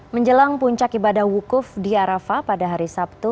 menjelang puncak ibadah wukuf di arafah pada hari sabtu